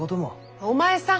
お前さん！